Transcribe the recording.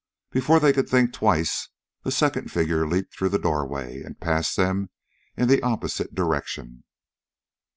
Before they could think twice, a second figure leaped through the doorway and passed them in the opposite direction.